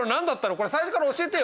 これ最初から教えてよ。